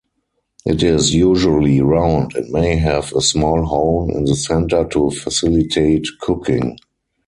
It is usually round, and may have a small hole in the center to facilitate cooking.